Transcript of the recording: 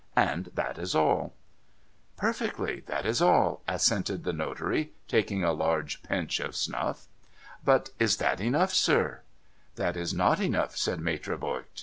And that is all,' ' Perfectly. That is all,' assented the notary, taking a large pinch of snuff. MR. OBENREIZER EXPLAINS 559 ' But is that enough, sir ?'' That is not enough,' said Maitre Voigt.